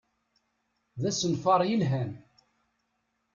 D asenfaṛ yelhan.